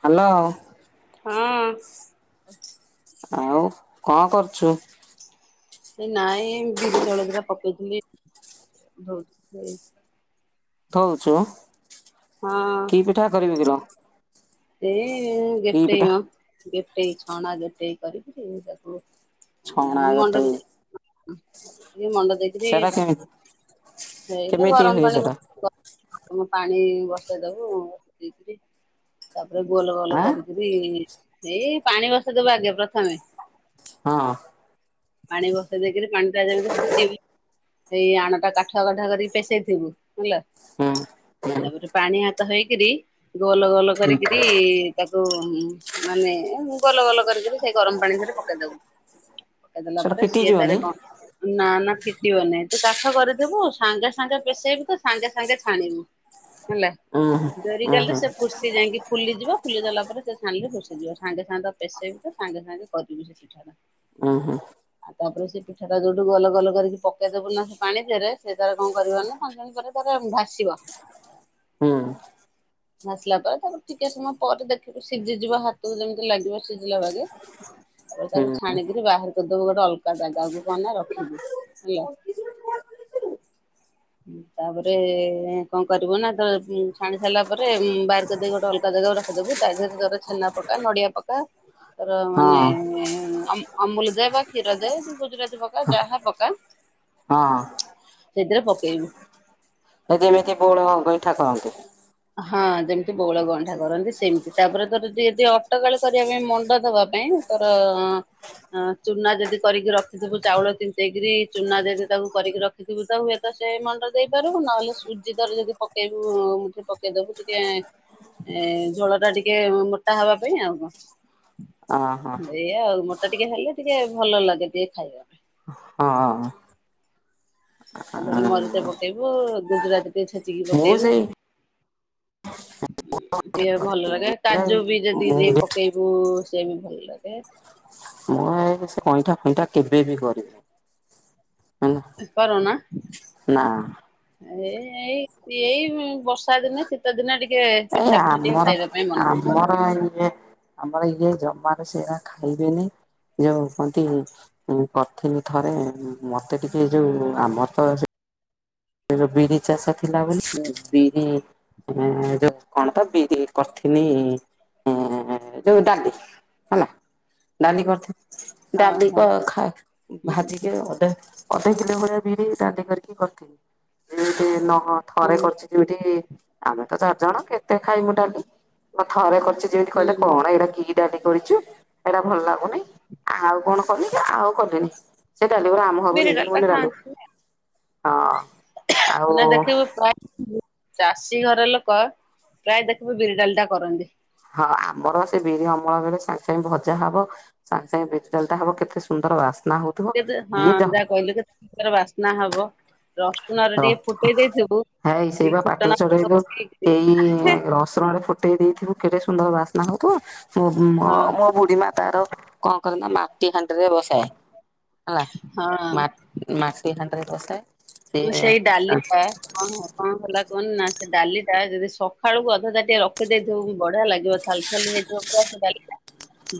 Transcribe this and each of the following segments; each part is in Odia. ହ୍ୟାଲୋ। ହଁ। ଆଉ କଣ କରୁଛୁ? ଏ ନାଇଁ ବିରି ଚାଉଳ ଦିଟା ପକେଇଥିଲି ଧୋଉଚି [unintelligible] ଧଉଛୁ ବା ହଁ କି ପିଠା କରିବୁ କିଲୋ? ଏ କି ଗେଟେଇ ପିଠା? ମ ଗେଟେଇ ଛଣା ଗେଟେଇ କରିକିରି ତାକୁ ଛଣା ଗେଟେଇ? ଉଁ ଟିକେ ମଣ୍ଡା ଦେଇଦେବି ସେଟା କେମିତି ହେଇଲୋ କେମିତି ଗରମ ହୁଏ ସେଟା ପାଣି ପାଣିବସେଇ ଦବୁ [unintelligible] ତାପରେ ଗୋଲ ଗୋଲ ଆଁ କରିକିରି ଏଇ ପାଣି ବସେଇ ଦେବୁ ଆଗେ ପ୍ରଥମେ। ହଁ। ପାଣି ବସେଇ ଦେଇକିରି ପାଣି ଟା ଯେମିତି ଫୁଟେଇ ଏଇ ଆଣ ଟା କାଠୁଆ କାଠୁଆ କରିକି ପେଶେଇ ଥିବୁ ଇଲୋ ହଁ ହୁଁ। ପାଣି ହାତ ହେଇକିରି ଗୋଲ ଗୋଲ କରିକିରି ତାକୁ ମାନେ ଗୋଲ ଗୋଲ କରିକିରି ସେଇ ଗରମ ପାଣି ରେ ପକେଇ ଦେବୁ। କହି ଦେଲା ସେଟା ପରେ ଫିଟି ସିଏ ଯିବନି ତାରେ କଣ? ନା ନା ଫିଟିବ ନାଇଁ। ତୁ କାଠ କରିଦେବୁ ସାଙ୍ଗେ ସାଙ୍ଗେ ପେଶେଇବୁ ତ ସାଙ୍ଗେ ସାଙ୍ଗେ ଛାଣିବୁ। [unintelligible] ମାନିଲା ଉଁ ହୁଁ ଉଁ ଜରିକାଢିଲୁ ହୁଁ ସେ ଫୁର୍ସି ଯାଇଁକି ଫୁଲିଯିବ ଫୁଲି ଗଲା ପରେ ସେ ସାଣିଲେ ଫୁର୍ସିଯିବ। ସାଙ୍ଗେ ସାଙ୍ଗ ପେଶେଇବୁ ତ ସାଙ୍ଗେ ସାଙ୍ଗେ କରିବି। ଓ ହୋ। ଆଉ ତାପରେ ସେ ପିଠା ଟା ଯୋଉଠୁ ଗଲ ଗଲ କରିକି ପକେଇ ଦବୁ ନା ପାଣି ଦେହେରେ ସେ ତାର କଣକରିବ ନା ଖଞ୍ଜଣି ପରେ ପରେ ଭାସିବ। [unintelligible] ହୁଁ। ମସଲା ପରେ ତାକୁ ଟିକେ ସମୟ ପରେ ଦେଖିବୁ ସିଝିଯିବ ହାତକୁ ଯେମିତି ଲାଗିବ ସିଝିଲା ବାଗେ ଆଉ ହୁଁ ତାକୁ ହୁଁ ଛାଣିକିରି ବାହାରକୁ [unintelligible] ଦବୁ ଗୋଟେ ଅଲଗା ଜାଗାକୁ କଣନା ରଖିବୁ ହେଲା। [unintelligible] ଉଁ ତାପରେ ଏଁ କଣ କରିବୁ ନା ଯେତବେଳେ ଉଁ ଛାଣି ସାରିଲା ପରେ ଉଁ ବାହାରକରିଦେଇ ଗୋଟେ ଅଲଗା ଜାଗା କୁ ରଖ୍ କରଦବୁ ତା ଦେହରେ ତାର ଛେନା ପକା ନଡିଆ ପକା ତାର ମାନେ ହଁ ଏଁ କମ୍ ଅମୁଲୁ। ଦେ ବା କ୍ଷୀର ଦେ ଗୁଜୁରାତି ପକା ଯାହା ପକା ହଁ ସେଥିରେ ପକେଇବୁ। ହେ ଯେମିତି ବଉଳ ଗଇଁଠା କରନ୍ତି। ହଁ ଯେମିତି ବଉଳ ଗଇଁ ଠା କରନ୍ତି ସେମିତି ତାପରେ ତୋର ଯଦି ଅଟକାଳି କରିବା ପାଇଁ ମଣ୍ଡ ଦବା ପାଇଁ ତାରେ ଅଁ ହଁ ଚୁନା ଯଦି କରିକି ରଖିଥିବୁ ଚାଉଳ ତି ନ୍ତେଇକିରି ଚୁନା ଯଦି ତାକୁ କରିକି ର ସେଥିବୁ ତ ହୁଏ ତ ସେ ମଣ୍ଡ ଦେଇପାରରିବୁ ନହେଲେ ସୁଜି ତୋର ଯଦି ପକେଇବୁ ମୁଠେ ପ ଟିକେ ଦବୁ ଟିକେ ଏ ଝୋଳ ଟା ଟିକେ ମୋଟା ହବା ପାଇଁ ଆଉ କଣ? ଅଁ ହଁ ଏଇଆ ଆଉ ମୋଟା ଟିକେ ହେଲେ ଟିକେ ଭଲ ଲାଗେ ଟିକେ ଖାଇବା। ପାଇଁ। ହଁ। ତାଦେହରେ ମରିଚେ ପକେଇବୁ ଗୁଜୁରାତି ଟେ ଛେଚିକି ମୁଁ ପକେଇବୁ। ସେଇ [unintelligible] ଟିକେ ଭଲ ଲାଗେ କାଜୁ ବି ଯଦି ଯିଏ ପକେଇବୁ ସେ ବି ଭଲ ଲାଗେ। ମୁଁ ସେଇ ଗାଇଁଠା ଫଇଁଠା କେବେ ବି କରିନି। ହେଲା କରୁ ନ। ନା। ଏ ଏଇ ଏଇ ବର୍ଷା ଦିନେ ଶୀତ ଦିନେ ଟିକେ। ଏଇ ପିଠା ପୁଠି ଟିକେ ଆମର ଖାଇବା ପାଇଁ ମନ କରେ। ଆମର ଇଏ। ଆମର ଇଏ ଜମାରୁ ସେଇରା ଖାଇବେନି। ଯୋଉ କୁହନ୍ତି କରିଥିଲି ଥରେ ମତେ ଟିକେ ଯୋଉ ଆମର ତ ସେ। ଲୋ ବିରି ଚାଷ ଥିଲା ବୋଲି ବିରି। ଏ ଯୋଉ କଣ ତ ବିରି କରିଥିନି ଏଁ ଯୋଉ ଡାଲି। ହେଲା ଡାଲି କରିଥିଲି। ଡାଲି ତ ଓହୋ ଖା ହୁଁ ଭାଜିି ଅଧେ ଅଧେ କିଲୋ ଭଳିଆ ବିରି ଡାଲି କରିକି କରିଥିଲି ନହ ଥରେ ହୁଁ କରିଛି। ଯଉଠି ଆମେ ତ ଚାରି ଜଣ କେତେ ଖାଇମୁ ଡାଲି। ମୁଁ ଥରେ କରିଛି ଯେମିତି କହିଲେ ହୁଁ କଣ ଏଇରା କି? କରିଛୁ ଏଇଟା ଭଲ ଲାଗୁନି ଆଉ କଣ କଲିକି ଆଉ କଲିନି। ସେଇ ଡାଲି ଗୁରା ଆମ ଘରୁକୁ ବିରି ନେଇ ଡାଲିଟା ଗଲି [inaudible] ହଁ। ଖାଆନ୍ତି ଆଉ ନା ଦେଖିବୁ ପ୍ରାୟ ଚାଷୀ ଘର ଲୋକ ପ୍ରାୟ ଦେଖିବୁ ବିରି ଡାଲିଟା କରନ୍ତି। ହଁ ଆମର ସେ ବିରି ଅମଳ ବେଳେ ସାଙ୍ଗେ ସାଙ୍ଗେ ଭଜା ହବ। ସାଙ୍ଗେ ସାଙ୍ଗେ ବିରି ଡାଲିଟା ହବ କେତେ ସୁନ୍ଦର ବାସ୍ନା ହଉ ହଁ ଯାହା କହିଲୁ ଯେ ତା କେତେ ସୁନ୍ଦର ବାସ୍ନା ହବ। ରସୁଣରେ ର ଟିକେ ଫୁଟେଇ ଦେଇଥିବୁ ହାଇ ସେଇ ବା ପାଟିରୁ ଫୁଟଣ ଫୁଟଣ ପକେଇକି। ରଶୁଣରେ ଫୁଟେଇ ଦେଇଥିବୁ କେଡେ ସୁନ୍ଦର ବାସ୍ନା ହଉଥିବ ହଁ ଅ ବୁଢୀ ମା ତାର କଣ କରେ ନା ମାଟି ହାଣ୍ଡିରେ ବସାଏ ହଁ ହେଲା। ମାଟି ହାଣ୍ଡି ରେ ବସାଏ। ମୁଁ ସିଏ ସେଇ ଡାଲି ଖାଏ। କଁ ହଁ କଣ ହେଲା କୁହନିନା ସେ ଡାଲି ଟା ଯଦି ସକାଳୁକୁ ଅଧା ଟାଟିଆଏ ରଖିଦେଇଥିବୁ ବଢିଆ ଲାଗିବ ଥାଲ [inaudible] ଡ଼ାଲିଟା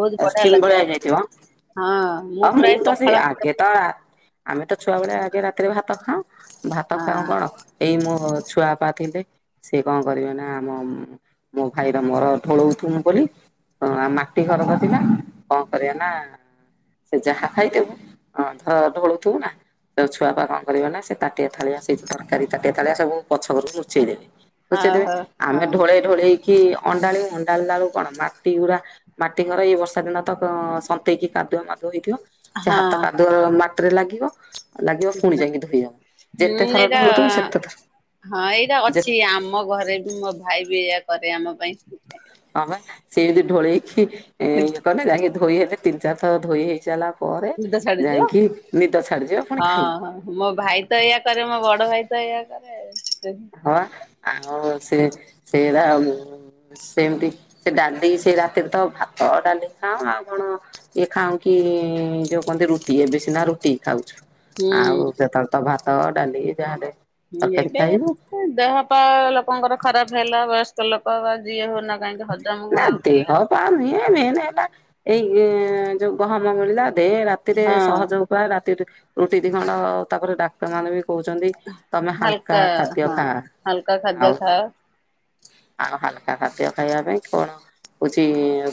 ବହୁତ ବଢଆ ଲାଗେ ହଁ। ଅ ମୁଁ ପ୍ରାୟ ତ ସେଇ ପଖାଳ ଆଗେ ତ। ହଁ ଆମେ ତ ଛୁଆବେଳେ ଆଗେ ରାତିରେ ଭାତ ଖାଉଁ ଭାତ ଖାଉଁ କଣ। ଏଇ ମୋ ଛୁଆପା ଥିଲେ ସିଏ କଣ କରିବେ ନା ଆମ ମୋ ଭାଇର ମୋର ଢୋଳଉଥୁମୁ ବୋଲି। ହଁ ଆ ମାଟି ଘରତ ଥିଲା କଣ କରିବେ ନା। ସେ ଯାହା ଖାଇଥିବୁ ଢୋଳୁଥିବୁ ନା। ତ ଛୁଆପା କଣ କରିବେ ନା ସେ ତାଟିଆ ଥାଳିଆ ସହି ତରକାରୀ ତାଟିଆ ଥାଳିଆ ସବୁ ପଛ ପଟକୁ ଲୁଚେଇ ଦେବେ। ଲୁଚେଇ ହଁ ଦେବେ ହୋ ଆମେ ହଁ ଢୋଳେଇ ଢୋଳେଇକି ଅଣ୍ଡାଳିବୁ ଅଣ୍ଡାଳିଲା ବେଳୁକୁ କଣ ମାଟି ଗୁଡା। ମାଟି ଘର ଏଇ ବର୍ଷା ଦିନ ତ ସନ୍ତେଇକି କାଦୁଆ ମା ଧୋଇଥିବ ସେ ହଁ ହାତ କାଦୁଅ ମାଟିରେ ଲାଗିବ ଲାଗିବ ପୁଣି ଯାଇକି ଧୋଇହବ। ହୁଁ ଏଇରା ହଁ ଏଇରା ଯେ ଅଛି ଆମ ଘରେ ବି ମୋ ଭାଇ ବି ଏଇଆ କରେ ଆମ ପାଇଁ। ହଁ ବା ସିଏ ହୁଁ ବି ଢୋଳେଇକି ଇଏ କାଲେ ଯାଇଁକି ଧୋଇ ହେବେ ତିନି ଚାରି ଥର ଧୋଇ ହେଇସାରିଲା ପରେ ନିଦ ଛାଡୁଯିବ ଯାଇଁକି ନିଦ ଛାଡିଯିବ ପୁଣି ହଁ ଖାଇବୁ। ହଁ ମୋ ଭାଇ ତ ଏଇଆ କରେ ମୋ ବଡ ଭାଇ ତ ଏଇଆ କରେ ଆଉ। ହଁ ବା ଆଉ ସେ ସେରା ଆଉ ସେମିତି ସେ ଡାଲି ସେ ରାତିରେ ତ ଭାତ ଡାଲି ଖାଉଁ ଆଉ କଣ ଇଏ ଖାଉଁ କି ଯୋଉ କୁହନ୍ତି ରୁଟି ଏବେ ସିନା ରୁଟି ଖାଉଛୁ ଆଉ ହୁଁ। ସେତେବେଳେ ତ ଭାତ ଡାଲି ଯାହାହେଲେ ହୁଁ ଏବେ ଦେହପାହା ଲୋକଙ୍କର ଖରାପ ହେଲା ବୟସ୍କ ଲୋକ ବା ଯିଏ ହଉନା କାହିଁକି ହଜମ ନା ଆଉ ହେଲାନି। ଦେହପା ନୁହେଁ ମେନ ହେଲା ଏଇ ଯୋଉ ଗହମ ମିଳିଲା ଦେ ରାତିରେ ହଁ ସହଜ ଉ ଉପାୟ ରାତିରେ ରୁଟି ଦି ଖଣ୍ଡ ତାପରେ ଡାକ୍ତର ମାନେ ବି କହୁଚନ୍ତି ତମେ ହାଲକା ଖାଦ୍ୟ ହଁ ଖା ହାଲକା ଖାଦ୍ୟ ଆଉ ଖାଅ ଆଉ ହାଲକା ଖାଦ୍ୟ ଖାଇବା ପାଇଁ କଣ ହୋହୁଚି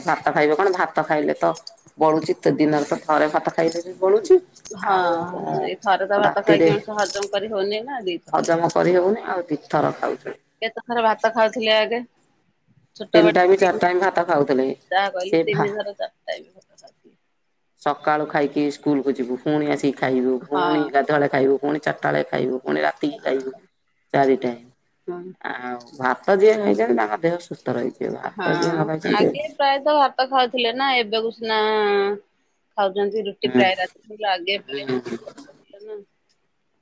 ଭାତ ଖାଇବେ କଣ ଭାତ ଖାଇଲେ ତ ବଳୁଚି ତ ଦିନରେ ତ ଥରେ ଭାତ ଖାଇଦେଲେ ବଳୁଚି ହଁ ଆଉ ସେଇ ଥରେ ତ ଭାତ ରାତିରେ ଖାଇକି ମଣିଷ ହଜମ କରି ହଉନି ନା ଦିଥର ଖାଇବ। ହଜମ କରିହଉନି ଆଉ ଦିଥର ଖାଉଚନ୍ତି। କେତେଥର ଭାତ ଖାଉଥିଲେ ଆଗେ? ଛୋଟ ତିନି ଟାଇମ ବେଳେ ଚାରି ଟାଇମ ଭାତ ଖାଉଥିଲେ ଯାହା ସେ କହିଲୁ ଭା ତିନିଥର ଚାରିଥର। ସକାଳୁ ଖାଇକି ସ୍କୁଲକୁ ଯିବୁ ପୁଣି ଆସିକି ଖାଇବୁ ପୁଣି ହଁ ଗା ଧୁଆ ବେଳେ ଖାଇବୁ ପୁଣି ଚାରିଟା ବେଳେ ଖାଇବୁ ପୁଣି ରାତିକି ଖାଇବୁ ଚାରି ଟାଇମ୍। ହଁ। ଆଉ ଭାତ ଯିଏ ଖାଇଚନ୍ତି ତାହା ଦେହ ସୁସ୍ଥ ରହିଚି। ହଁ ଆଗେ ପ୍ରାୟତଃ ଭାତ ଖାଉଥିଲେ ନା ଏବେକୁ ସିନା ଖାଉଚନ୍ତି ରୁଟି ପ୍ରାୟ ରାତିରେ ଆଗେ [unintelligible]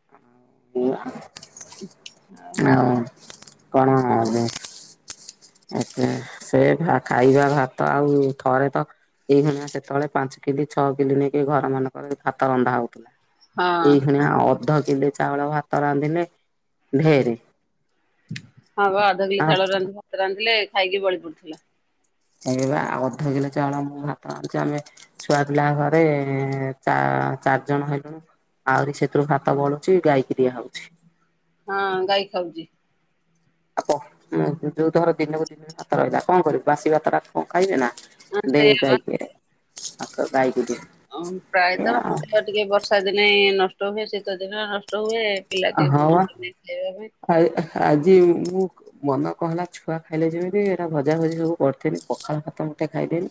ହୁଁ ଆଉ କଣ ଆଛା ସେ ଭା ଖାଇବା ଭାତ ଆଉ ଥରେତ ଏଇଭଳିଆ ସେତେବେଳେ ପାଞ୍ଚ କିଲ ଛଅ କିଲ ନେଇକି ଘର ମାନଙ୍କର ଭାତ ରନ୍ଧା ହଉଥିଲା। ହଁ ଏଇଖୁଣା ଅଧ କିଲେ ଚାଉଳ ଭାତ ରାନ୍ଧିଲେ ଢେରେ। ହଁ ପା ଅଧ କିଲେ ଚାଉଳ ରାନ୍ଧି ଭାତ ରାନ୍ଧିଲେ ଖାଇକି ବଳି ପଡ଼ୁଥିଲା। ଏଇ ବା ଅଧ କିଲୋ ଚାଉଳ ମୁଁ ଭାତ ରାନ୍ଧୁଚି ଆମେ ଛୁଆ ପିଲା ଘରେ ଚା ଚାରିଜଣ ହେଲୁଣୁ ଆହୁରି ସେଥିରୁ ଭାତ ବଳୁଚି ଗାଈକି ଦିଆହଉଚି। ହଁ ଗାଈ ଖାଉଚି। ଆଉକଁ ଯୋଉଥର ଦିନକୁ ଦିନ ଭାତ ରହିଲା କଣ କରିବୁ ବାସି ଭାତଟା କଣ ଖାଇବେନା। ହଁ ଦେ ସେଇଆ ବା ଗାଈ କି ଦେ ଭାତ ଗାଈ କି ଦେ। ଓ ପ୍ରାୟତଃ ଏଇଆ ଆଉ। ଭାତ ଟିକେ ବର୍ଷା ଦିନେ ନଷ୍ଟ ହୁଏ ଶୀତ ଦିନ ନଷ୍ଟ ହୁଏ। [unintelligible] ଖାଇ ଆ ଆଜି ମୁଁ ମନ କଣ ହେଲା ଛୁଆ ଖାଇଲେ ଯେମିତି ଏଇଟା ଭଜା ଭଜି ସବୁ କରିଦେନି ପଖାଳ ଭାତ ମୁଠେ ଖାଇଦେନି।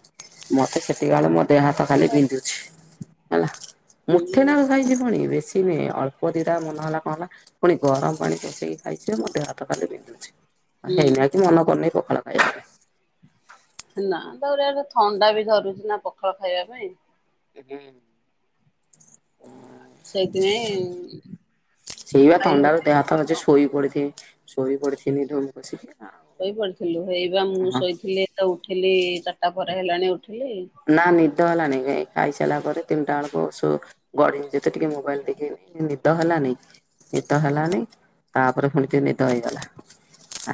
ମତେ ସେତିକାଅଳୁ ମୋ ଦେହ ହାତ ଖାଲି ବିନ୍ଧୁଛି ହେଲା ମୁଠେ ନା ହୁଁ କୁ ଖାଇଚି ଫୁଣି ବେଶୀ ନୁହେଁ ଅଳ୍ପ ଦିଟା ମନ ହେଲା ହଁ ବା ପୁଣି ଗରମ ପାଣି ପଶେଇକି ଖାଇଚି ମୋ ଦେହ ହାତଖାଲି ବିନ୍ଧୁଚି। ହୁଁ ହେଇନାଗି ମନ କରୁନି ପଖାଳ ଖାଇବାକୁ। ନା ତାପରେ ଏରା ଥଣ୍ଡା ବି ଧରୁଛି ନା ପଖାଳ ଖାଇବା ପାଇଁ। ଏଗେ ସେଥିପାଇଁ ଖାଇ ହଉନି। ତା ବାପା ବୋଧେ ପଖାଳ। ଶୋଇପଡି ଥିବେ ଶୋଇ ପଡିଥିଲେ ଧୁମ୍ କସିକି ଶୋଇପଡିଥିଲୁ ଏଇ ବା ମୁଁ ଶୋଇଥିଲି ତ ଉଠିଲି ଚାରିଟା ପରେ ହେଲାଣି ଉଠିଲି। ନା ନିଦ ହେଲାଣି ଜାଇ ଖାଇ ସାରିଲା ପରେ ତିନିଟା ବେଳକୁ ଶୋ ଗଡିଲି ଜେତେ ଟିକେ ମୋବାଇଲ୍ ଦେଖିନି ନିଦ ହେଲାନି। ନିଦ ହେଲାନି ତାପରେ ପୁଣି ଟିକେ ନିଦ ହେଇଗଲା।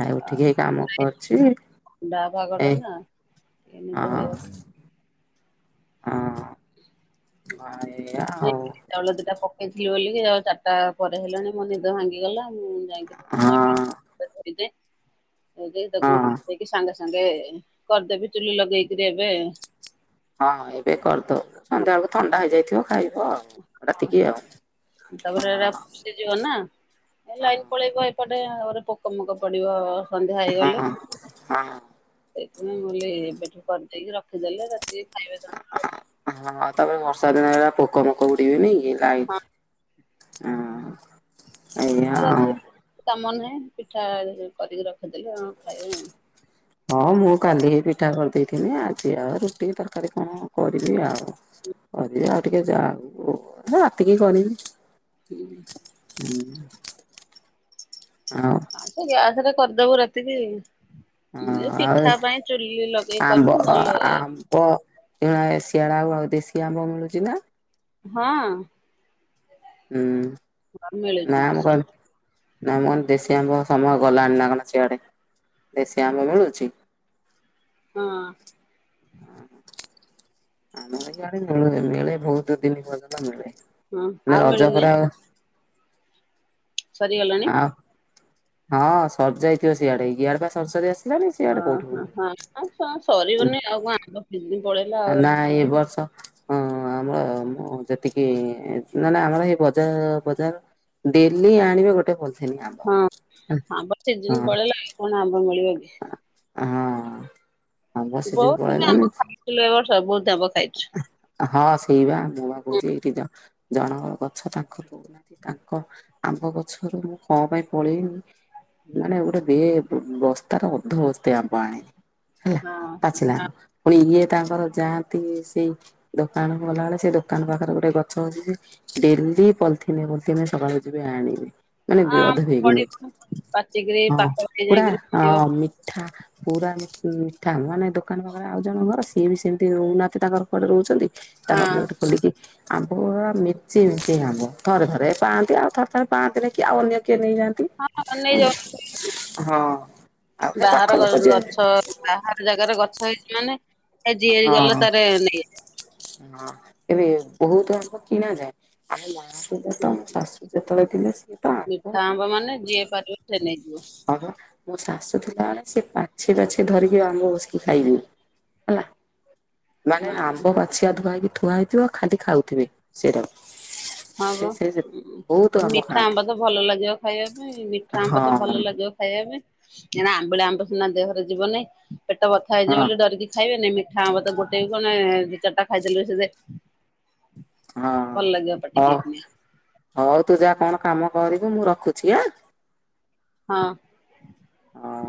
ଆଉ ଉଠିକି ହେଇ କାମ କରୁଛି ଏ ଏ ନିଦ ହେଇଆ। ଅ ହଁ ଏଇଆ ନାଇଁ ଆଉ। ବିରି ଚାଉଳ ଦିଟା ପକେଇଥିଲି ବୋଲିକି ଆଉ ଚାରିଟା ପରେ ହେଲାଣି ମୋ ନିଦ ଭାଙ୍ଗିଗଲା ମୁଁ [unintelligible] ସାଙ୍ଗେ ହଁ ହଁ ସାଙ୍ଗେ କରିଦେବି ଚୁଲି ଲଗେଇକିରି ଏବେ। ହଁ ଏବେ କରଦବୁ ସନ୍ଧ୍ୟାବେଳକୁ ଥଣ୍ଡା ହେଇଯାଇଥିବ ଖାଇବ ଆଉ। ରାତିକି ଆଉ ହଁ ତାପରେ ଏରା ସିଯିବ ନା ହେଲାଇ ପଳେଇବ ଏପଟେ ଆ ପୋକ ମୋକ ପଡିବ ସନ୍ଧ୍ୟା ହଁ ହେଇଗଲେ। ହଁ ସେଥିପାଇଁ ବୋଲେ ଏବେଠୁ କରିଦେଇକି ରଖିଦେଲେ ରାତିକି ଖାଇବେ ତାଙ୍କର। ହଁ ତାପରେ ବର୍ଷା ଦିନ ହେଲା ପୋକ ଫୋକ ଉଡିବେନି କି ହଁ। ଲାଇଟ୍ ଅ ହଁ। ଆଉ ରାତିରେ କିଛି କାମ ନାହିଁ ପିଠା କରିକି ରଖିଦେଲି ଆ ଖାଇବେ ଆ [inaudible] ହଁ ମୁଁ କାଲି ପିଠା କରିଦେଇଥିଲି ଆଜି ଆଉ ରୁଟି ତରକାରୀ କଣ କରିବି ଆଉ। କରିବି ଆଉ ଟିକେ ଯାଉ ରାତିକି କରିବି। ହୁଁ। ଆଉ। ଆଉ ତ ଗ୍ୟାସରେ କରିଦବୁ ରାତିକି। ହଁ ମୁଁ ଏ ଆଉ ପିଠା ପାଇଁ ଚୁଲି ଲଗେଇ କରିବି ନହେଲେ ପ ଶିଆଡେ ଆଉ ଦେଶୀ ଆମ୍ବ ମିଳୁଛି ନା? ହଁ। ହୁଁ ମିଳୁଛି ନାଁ ମୁଁ ଦେଶୀ କ ନା ମୁଁ କହିନି ଦେଶୀ ଆମ୍ବ ସମୟ ଗଲାଣି ନା କଣ ସିଆଡେ ଦେଶୀ ଆମ୍ବ ମିଳୁଛି? ହଁ। ଆମର ଇଆଡ଼େ ମିଳୁନି ମିଳେ ବହୁତ ଦିନ ପର୍ଯ୍ୟନ୍ତ ହଁ ମିଳେ ଆଉ ରଜ ମିଳୁନି ପରେ ଆଉ ସରିଗଲାଣି। ହଁ ସରଜାଇଥିବ ସିଆଡେ, ଇଆଡେ ବା ସରି ସରି ଆସିଲାଣି। ସିଆଡେ ଓହ କୋଉଠୁ ହଁ କ ସରିବନି ଆଉ କଁ ଆମ୍ବ ସିଯିନି ପଳେଇଲା। ଆଉ। ନା ଏ ବର୍ଷ ହଁ ଆମର ଯେତିକି ନାନା ଆମର ଏଇ ବଜାର ବଜାର ଡେଲି ଆଣିବେ ଗୋଟେ ପଲ ହଁ ହଁ ବା ସିଜିନ ପଳେଇଲାଣି କଣ ଆମ୍ବ ମିଳିିବ କି। ହଁ ଆମ୍ବ ସିଜିନ୍ ପଳେଇଲାଣିି। କ ଏ ବର୍ଷ ବହୁତ ଆମ୍ବ ଖାଇଛୁ। ହଁ ସେଇ ବା ମୁଁ ଭାବୁଛି ଏଇଠି ଜଣଙ୍କ ଗଛ ତାଙ୍କ ପ ତାଙ୍କ ଆମ୍ବ ଗଛରୁ ମୁଁ କଣ ପାଇଁ ପଳେଇନି। ମାନେ ଗୋଟେ ବେ ବସ୍ତାରେ ଅଧ ବସ୍ତେ ଆମ୍ବ ଆଣିଲି ହେଲା। ହଁ। ଅଛିନା ପୁଣି ଇଏ ତାଙ୍କର ଯାହାନ୍ତି ସେଇ ଦୋକାନକୁ ଗଲାବେଳେ ସେ ଦୋକାନ ପାଖରେ ଗୋଟେ ଗଛ ଅଛି ଡେଲି ପଲିଥିନେ ପଲିଥିନେ ସକାଳୁ ଯିବେ ଆଣିବେ। ମାନେ ଅଧ ଆମ୍ବ ବେଗ୍ ହେଇଯିବ ପଡିବ ପାଚିକିରି ହଁ ପାକଳ ହେଇ ପୁରା ଯାଇକିରି ଅଁ ମିଠା ପୁରା ମିଠା ଆମ୍ବ ଦୋକାନ ପାଖରେ ଆଉ ଜଣ ଘର ସିଏବି ସେମିତି ରହୁନାହାନ୍ତି ତାଙ୍କର କୁଆଡ଼େ ରହୁଛନ୍ତି ହଁ ତାଙ୍କ ଗେଟ୍ ଖୋଲିକି ଆମ୍ବ ପୁରା ମିଚି ମିଚି ଆମ୍ବ ଥରେ ଥରେ ପାଆନ୍ତି ଆଉ ଥରେ ଥରେ ପାଆନ୍ତିନି କିଏ ଆଉ ଅନ୍ୟ କେହି ନେଇଯାଆନ୍ତି। ହଁ ନେଇେ ଯାଉଛନ୍ତି ହଁ ଆଉ ସେ ପାଖ ବାହାର ଗ ଲୋକ ଯିଏ ଗଛ ବାହାର ଜାଗାରେ ଗଛ ହେଇଛି ମାନେ ଏ ଯିଏ ହଁ। ଗଲା ତାର ନେଇ ହଁ ଏବେ ବହୁତ ଆମ୍ବ କିଣାଯାଏ ଆମ ଗାଁକୁ ହୁଁ ମିଠା ଆମ୍ବ ମାନେ ଯିଏ ପାରିବ ସେ ନେଇଯିବ। ହଁ ବା ମୋ ଶାଶୁ ଥିଲାବେଳେ ସେ ବାଛି ବାଛି ଧରିକି ଆମ୍ବ ବସିକି ଖାଇବେ। ହେଲା। ମାନେ ହଁ ଆମ୍ବ ପାଚିଆ ଧୁଆଇକି ଥୁଆ ହେଇଥିବ ଖାଲି ଖାଉଥିବେ ସେଇଟାକୁ। ହଁ ବା ଉଁ ମିଠା ଆମ୍ବ ତ ଭଲ ଲାଗିବ ଖାଇବା ପାଇଁ ମିଠା ଆମ୍ବ ତ ହଁ ଭଲ ଲାଗିବ ଖାଇବା ପାଇଁ। ସିନା ଆମ୍ବିଳା ଆମ୍ବ ସିନା ଦେହରେ ଯିବନି ପେଟ ବଥା ହେଇଯିବ ହଁ ବୋଲି ଡରିକି ଖାଇବେନି ମିଠା ଆମ୍ବତ ଗୋଟେବି କଣ ଦି ଚାରିଟା ଖାଇଦେଲେ ସେ ହଁ ଭଲ ଲାଗିବ ପାଟିକି ହଉ ହଉ ତୁଯା କଣ କାମ କରିବୁ ମୁଁ ରଖୁଛି ଆଁ? ହଁ। ହଁ।